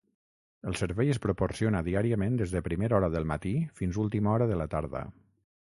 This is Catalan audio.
El servei es proporciona diàriament des de primera hora del matí fins última hora de la tarda.